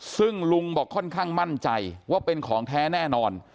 ซึ่งลุงบอกค่อนข้างมั่นใจว่าเป็นของแท้แน่นอน